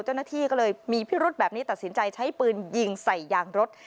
เจ้าหน้าที่ก็เลยมีพิรุธแบบนี้ตัดสินใจใช้ปืนยิงใส่ยางรถ